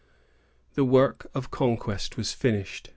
The work of conquest was finished.